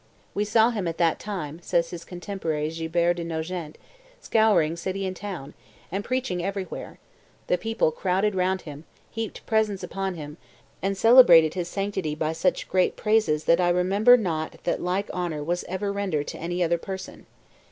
... We saw him at that time," says his contemporary Guibert de Nogent, "scouring city and town, and preaching everywhere; the people crowded round him, heaped presents upon him, and celebrated his sanctity by such great praises that I remember not that like honor was ever rendered to any other person.